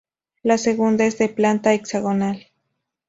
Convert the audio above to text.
La segunda es de planta hexagonal.